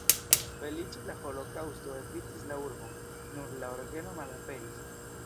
Feliĉe la holokaŭsto evitis la urbon, nur la orgeno malaperis.